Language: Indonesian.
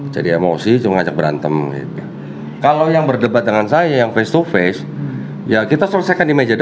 jadi emosi cuma ngajak berantem kalau yang berdebat dengan saya yang face to face ya kita selesaikan di